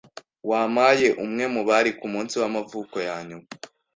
Wampaye umwe mubari kumunsi wamavuko yanyuma.